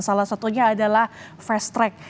salah satunya adalah fast track